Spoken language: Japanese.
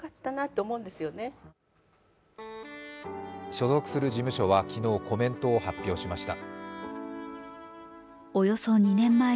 所属する事務所は昨日、コメントを発表しました。